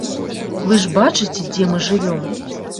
Вы ж бачыце, дзе мы жывём.